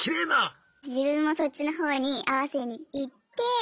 自分もそっちの方に合わせにいって。